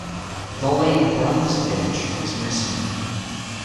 The Late Bronze Age is missing.